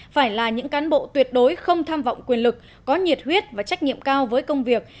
phải là những cán bộ tuyệt đối không tham vọng quyền lực có nhiệt huyết và trách nhiệm cao với công việc